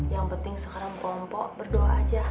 yang penting sekarang kamu poh berdoa aja